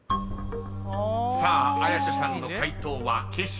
［さあ綾瀬さんの解答は景色］